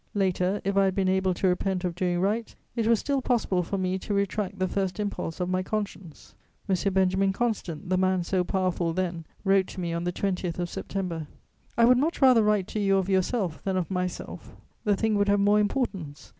Later, if I had been able to repent of doing right, it was still possible for me to retract the first impulse of my conscience. M. Benjamin Constant, the man so powerful then, wrote to me on the 20th of September: "I would much rather write to you of yourself than of myself, the thing would have more importance.